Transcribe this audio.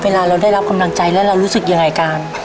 เวลาเราได้รับกำลังใจแล้วเรารู้สึกยังไงกัน